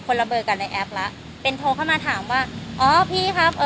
ละเบอร์กับในแอปแล้วเป็นโทรเข้ามาถามว่าอ๋อพี่ครับเอ่อ